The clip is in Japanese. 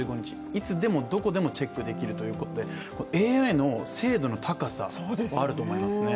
いつでも、どこでもチェックできるということで、ＡＩの精度の高さもあると思いますね。